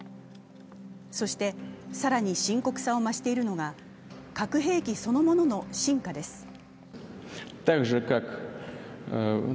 そして更に深刻さを増しているのが核兵器そのものの進化です。